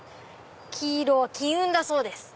黄色は金運だそうです！